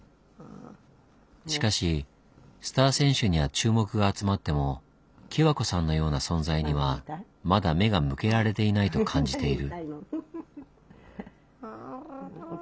しかしスター選手には注目が集まっても希和子さんのような存在にはまだ目が向けられていないと感じている。